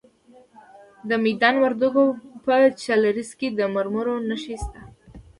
د میدان وردګو په جلریز کې د مرمرو نښې شته.